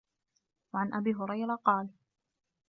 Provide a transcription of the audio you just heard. وَعَنْ أَبِي هُرَيْرَةَ قَالَ